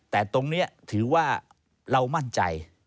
แต่ตรงนี้ถือว่า